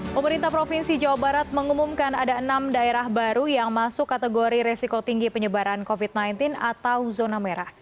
pemerintah provinsi jawa barat mengumumkan ada enam daerah baru yang masuk kategori resiko tinggi penyebaran covid sembilan belas atau zona merah